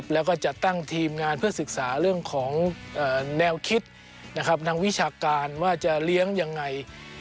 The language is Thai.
แล้วก็จะตั้งทีมงานเพื่อศึกษาเรื่องของแนวคิดนะครับทางวิชาการว่าจะเลี้ยงยังไง